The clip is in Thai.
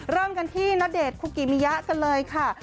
เริ่มกันที่ณเดชน์คุกิมิยะกันเลยค่ะ